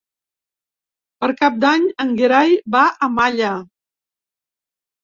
Per Cap d'Any en Gerai va a Malla.